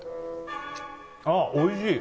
あ、おいしい！